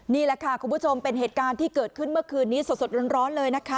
นี่แหละค่ะคุณผู้ชมเป็นเหตุการณ์ที่เกิดขึ้นเมื่อคืนนี้สดร้อนเลยนะคะ